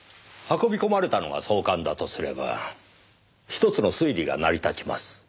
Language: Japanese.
運び込まれたのが総監だとすれば１つの推理が成り立ちます。